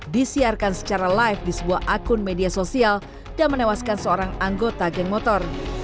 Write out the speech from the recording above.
disiarkan secara live di sebuah akun media sosial dan menewaskan seorang anggota geng motor